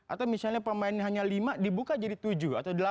atau misalnya pemain hanya lima dibuka jadi tujuh atau delapan